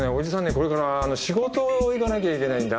これからあの仕事行かなきゃいけないんだ。